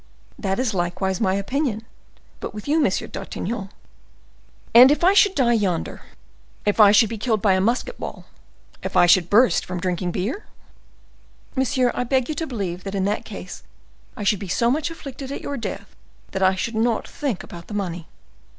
"That is likewise my opinion; but with you, M. d'Artagnan—" "And if I should die yonder—if I should be killed by a musket ball—if I should burst from drinking beer?" "Monsieur, I beg you to believe that in that case I should be so much afflicted at your death, that I should not think about the money."